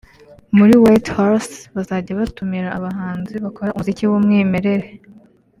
muri White Horse bazajya batumira abahanzi bakora umuziki w’umwimerere